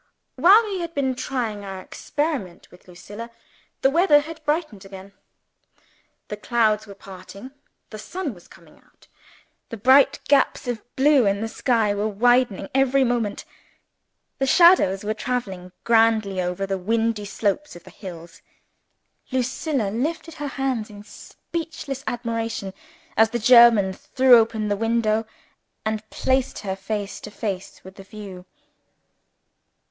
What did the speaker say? While we had been trying our experiment with Lucilla, the weather had brightened again. The clouds were parting; the sun was coming out; the bright gaps of blue in the sky were widening every moment; the shadows were traveling grandly over the windy slopes of the hills. Lucilla lifted her hands in speechless admiration as the German threw open the window, and placed her face to face with the view.